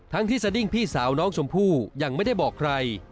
ที่สดิ้งพี่สาวน้องชมพู่ยังไม่ได้บอกใคร